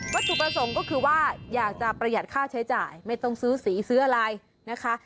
ถูกประสงค์ก็คือว่าอยากจะประหยัดค่าใช้จ่ายไม่ต้องซื้อสีซื้ออะไรนะคะ